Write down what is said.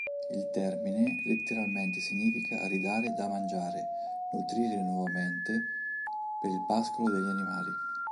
Il termine letteralmente significa "ridare da mangiare", "nutrire nuovamente" per il pascolo degli animali.